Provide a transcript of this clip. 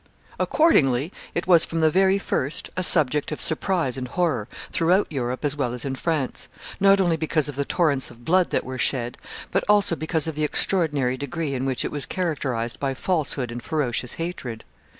Accordingly it was, from the very first, a subject of surprise and horror, throughout Europe as well as in France; not only because of the torrents of blood that were shed, but also because of the extraordinary degree in which it was characterized by falsehood and ferocious hatred.